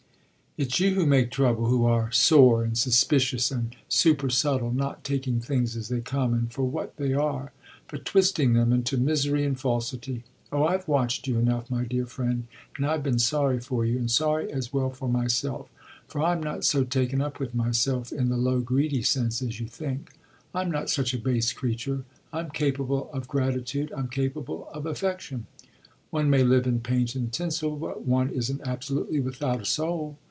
"It's you who make trouble, who are sore and suspicious and supersubtle, not taking things as they come and for what they are, but twisting them into misery and falsity. Oh I've watched you enough, my dear friend, and I've been sorry for you and sorry as well for myself; for I'm not so taken up with myself, in the low greedy sense, as you think. I'm not such a base creature. I'm capable of gratitude, I'm capable of affection. One may live in paint and tinsel, but one isn't absolutely without a soul.